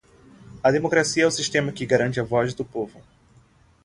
A democracia é o sistema que garante a voz do povo.